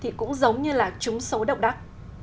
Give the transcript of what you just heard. thì cũng giống như là trúng xấu đậu đắc